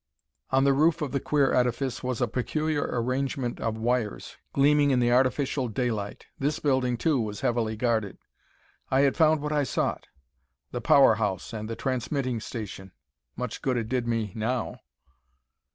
On the roof of the queer edifice was a peculiar arrangement of wires, gleaming in the artificial daylight. This building, too, was heavily guarded. I had found what I sought the power house and the transmitting station. Much good it did me now.